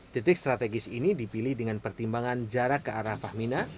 titik strategis ini dipilih dengan pertimbangan jarak ke arah fahmina